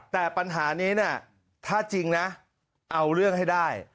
แต่ปัญหานี้นะถ้าจริงนะเอาเรื่องให้ได้